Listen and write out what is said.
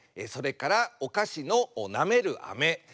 それからお菓子のなめる「あめ」。